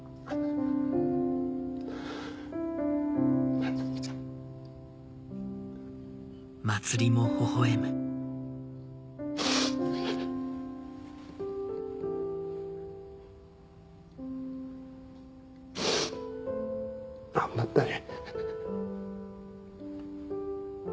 茉莉ちゃん。頑張ったね。